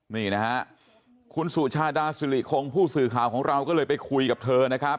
นี่นะฮะคุณสุชาดาสุริคงผู้สื่อข่าวของเราก็เลยไปคุยกับเธอนะครับ